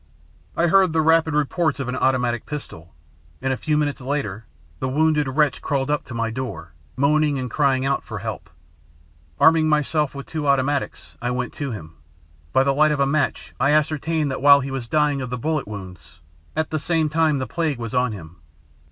I heard the rapid reports of an automatic pistol, and a few minutes later the wounded wretch crawled up to my door, moaning and crying out for help. Arming myself with two automatics, I went to him. By the light of a match I ascertained that while he was dying of the bullet wounds, at the same time the plague was on him.